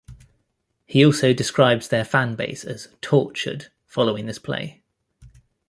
He also describes their fan base as "tortured" following this play.